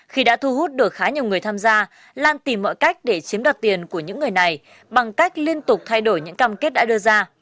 khi đã thu hút được khá nhiều người tham gia lan tìm mọi cách để chiếm đoạt tiền của những người này bằng cách liên tục thay đổi những cam kết đã đưa ra